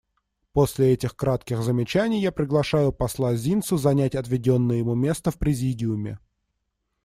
После этих кратких замечаний я приглашаю посла Зинсу занять отведенное ему место в Президиуме.